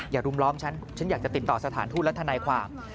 รุมล้อมฉันฉันอยากจะติดต่อสถานทูตและทนายความ